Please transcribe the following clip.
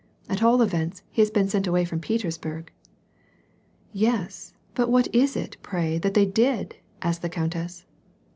At all events, he has been sent away from Petersburg." " Yes, but what was it, pray, that they did ?" asked the countess.